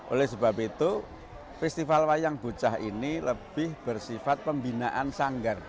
oleh sebab itu festival wayang bocah ini lebih bersifat pembinaan sanggar